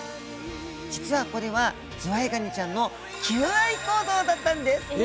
実はこれはズワイガニちゃんの求愛行動だったんです！